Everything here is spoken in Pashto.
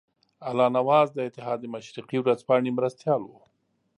الله نواز د اتحاد مشرقي ورځپاڼې مرستیال وو.